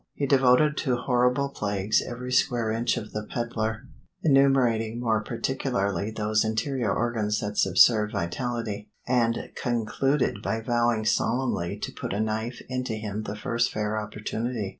He devoted to horrible plagues every square inch of the peddler, enumerating more particularly those interior organs that subserve vitality, and concluded by vowing solemnly to put a knife into him the first fair opportunity.